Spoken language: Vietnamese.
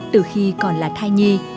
từ khi còn là thai nhi